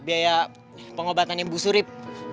biaya pengobatan ibu surip